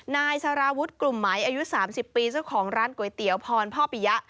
นายสารวุฒิกลุ่มไหมอายุ๓๐ปีเจ้าของร้านก๋วยเตี๋ยวพรพ่อปิยะ